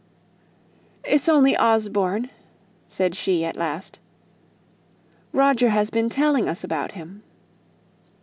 "It's only Osborne," said she, at last. "Roger has been telling us about him."